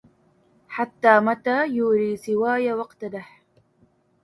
حتى متى يوري سواي وأقتدح